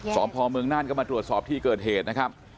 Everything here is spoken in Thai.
สอบภอมเมืองน่านก็มาตรวจสอบที่เกิดเหตุนะครับ